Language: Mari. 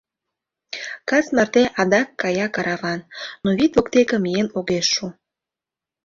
Кас марте адак кая караван, но вӱд воктеке миен огеш шу.